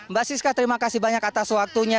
mbak siska terima kasih banyak atas waktunya